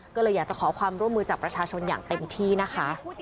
ก็เลยอยากจะขอความร่วมมือจากประชาชนอย่างเต็มที่นะคะ